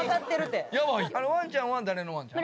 あれワンちゃんは誰のワンちゃん？